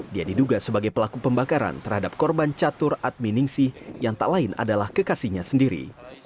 dia diduga sebagai pelaku pembakaran terhadap korban catur adminingsi yang tak lain adalah kekasihnya sendiri